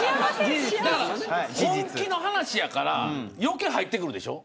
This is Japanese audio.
本気の話やから余計入ってくるでしょう。